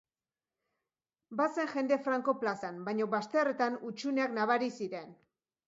Bazen jende franko plazan, baina bazterretan hutsuneak nabari ziren.